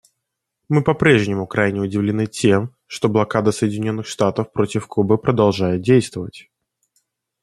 Мы по-прежнему крайне удивлены тем, что блокада Соединенных Штатов против Кубы продолжает действовать.